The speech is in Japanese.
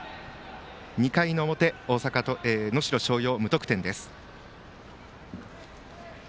２回の表、能代松陽無得点です。